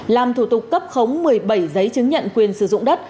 làm thủ tục cấp khống một mươi bảy giấy chứng nhận quyền sử dụng đất